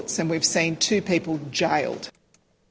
dan kita melihat dua orang yang dikukuh